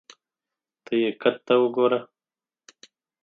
ته یې قد ته وګوره !